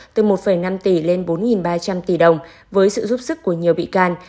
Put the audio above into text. từ một năm tỷ lên bốn ba trăm linh tỷ đồng với sự giúp sức của nhiều bị can